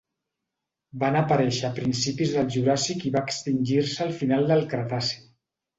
Van aparèixer a principis del Juràssic i va extingir-se al final del Cretaci.